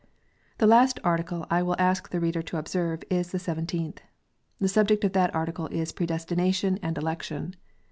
The last Article I will ask the reader to observe is the Seven teenth. The subject of that Article is Predestination and Election.